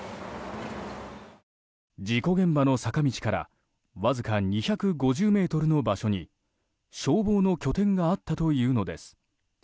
事故現場の坂道からわずか２５０ｍの場所に消防の拠点があったというのです。